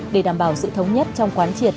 để đảm bảo sự thống nhất trong quán triệt